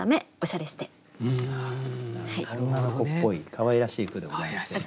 女の子っぽいかわいらしい句でございますね。